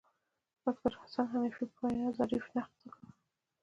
ډاکتر حسن حنفي پر وینا ظریف نقد وکړ.